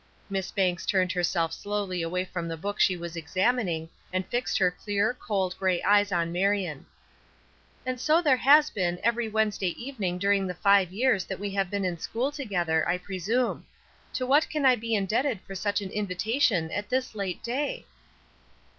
Miss Banks turned herself slowly away from the book she was examining and fixed her clear, cold gray eyes on Marion: "And so there has been every Wednesday evening during the five years that we have been in school together, I presume. To what can I be indebted for such an invitation at this late day?"